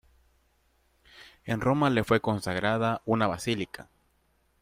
En Roma le fue consagrada una basílica.